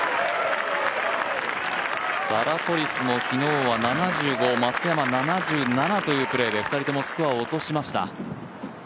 ザラトリスも昨日は７５、松山７７というプレーで２人ともスコアを落としました。